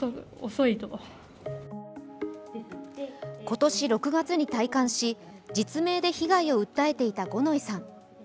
今年６月に退官し実名で被害を訴えていた五ノ井さん。